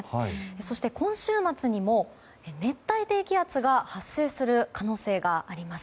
そして今週末にも熱帯低気圧が発生する可能性があります。